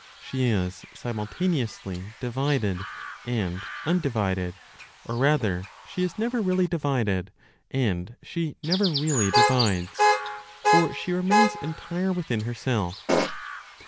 She is simultaneously divided and undivided, or rather, she is never really divided, and she never really divides; for she remains entire within herself.